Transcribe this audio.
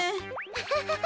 アハハハ